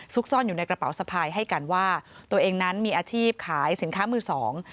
ซ่อนอยู่ในกระเป๋าสะพายให้กันว่าตัวเองนั้นมีอาชีพขายสินค้ามือสอง